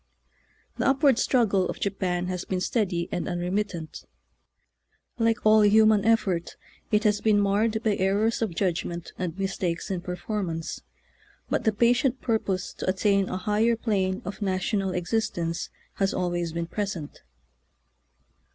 The upward struggle of Japan has been steady and unremittent. Like all human effort, it has been marred by errors of judgment and mistakes in THE NEW JAPAN. 897 performance, but the patient purpose to attain a higher plane of national exist ence has always been present.